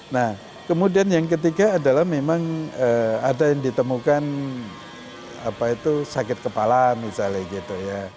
nah kemudian yang ketiga adalah memang ada yang ditemukan apa itu sakit kepala misalnya gitu ya